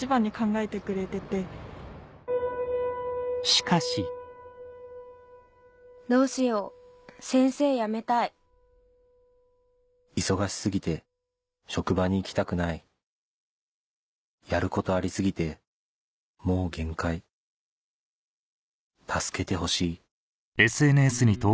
しかし「どうしよう先生やめたい」「忙しすぎて職場に行きたくない」「やることありすぎてもう限界」「助けてほしい」